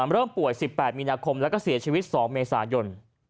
เริ่มป่วย๑๘มีนาคมแล้วก็เสียชีวิต๒เมษายน